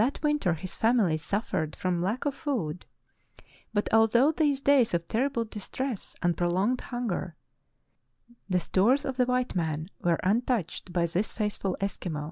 34 True Tales of Arctic Heroism lack of food, but all through these days of terrible dis tress and prolonged hunger the stores of the white man were untouched by this faithful Eskimo.